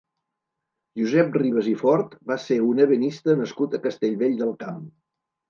Josep Ribas i Fort va ser un ebenista nascut a Castellvell del Camp.